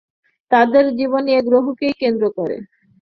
তাদের জীবন এই গ্রহকেই কেন্দ্র করে।